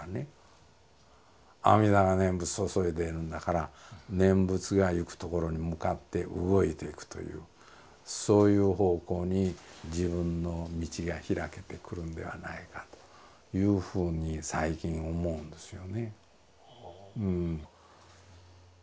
阿弥陀が念仏を注いでいるんだから念仏が行くところに向かって動いていくというそういう方向に自分の道が開けてくるんではないかというふうに最近思うんですよね。